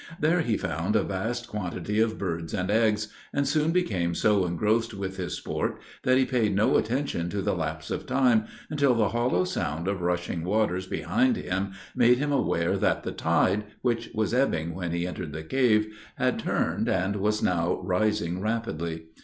There he found a vast quantity of birds and eggs, and soon became so engrossed with his sport that he paid no attention to the lapse of time, until the hollow sound of rushing waters behind him made him aware that the tide, which was ebbing when he entered the cave, had turned, and was now rising rapidly.